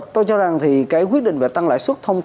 tôi cho rằng thì cái quyết định về tăng lãi suất thông